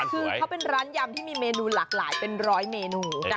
คือเขาเป็นร้านยำที่มีเมนูหลากหลายเป็นร้อยเมนู